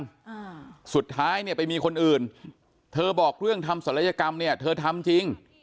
อ่าสุดท้ายเนี่ยไปมีคนอื่นเธอบอกเรื่องทำศัลยกรรมเนี่ยเธอทำจริง